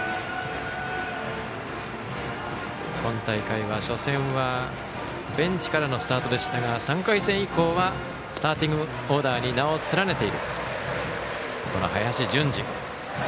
今大会は初戦はベンチからのスタートでしたが３回戦以降はスターティングオーダーに名を連ねている、林純司。